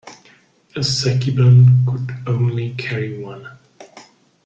A Sekibune could only carry one.